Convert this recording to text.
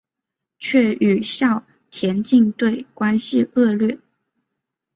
却与校田径队关系恶劣。